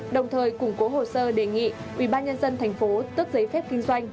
đồng thời củng cố hồ sơ đề nghị ubnd tp tức giấy phép kinh doanh